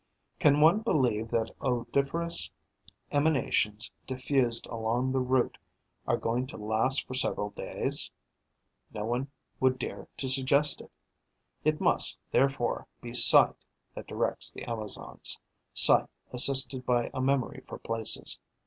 Can one believe that odoriferous emanations diffused along the route are going to last for several days? No one would dare to suggest it. It must, therefore, be sight that directs the Amazons, sight assisted by a memory for places.